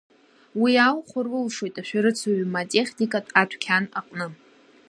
Уи ааухәар улшоит ашәарыцаҩы ма атехникатә адәқьан аҟны.